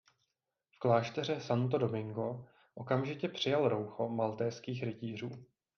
V klášteře Santo Domingo okamžitě přijal roucho maltézských rytířů.